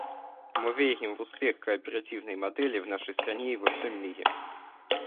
Мы верим в успех кооперативной модели в нашей стране и во всем мире.